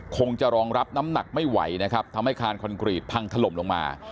คงจะรองรับน้ำหนักไม่ไหวนะครับทำให้คานคอนกรีตพังถล่มลงมา